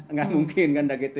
nggak mungkin kan nah gitu ya